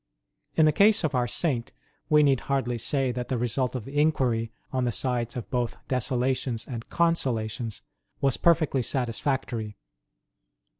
In the case of our Saint, we need hardly say that the result of the inquiry, on the sides of both desolations and consolations, was perfectly satisfactory.